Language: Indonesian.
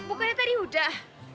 bukannya tadi udah